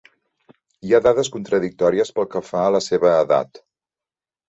Hi ha dades contradictòries pel que fa a la seva edat.